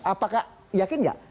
apakah yakin nggak